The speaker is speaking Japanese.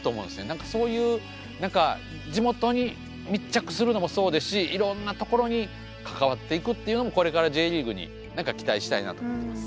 何かそういう何か地元に密着するのもそうですしいろんなところに関わっていくっていうのもこれからＪリーグに何か期待したいなと思ってます。